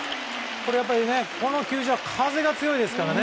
これ、この球場は風が強いですからね。